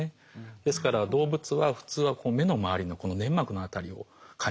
ですから動物は普通は目の周りのこの粘膜の辺りを蚊に刺されたりするんです。